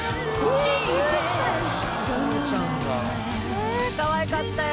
ねえかわいかったよ。